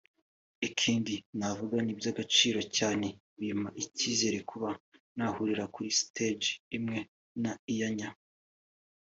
ikindi navuga ni iby’agaciro cyane bimpa n’icyizere kuba nahurira kuri stage imwe na Iyanya